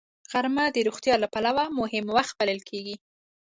غرمه د روغتیا له پلوه مهم وخت بلل کېږي